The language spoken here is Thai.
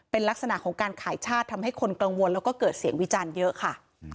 เป็นลักษณะของการขายชาติทำให้คนกังวลแล้วก็เกิดเสียงวิจารณ์เยอะค่ะ